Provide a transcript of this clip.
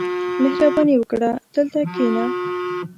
• مهرباني وکړه، دلته کښېنه.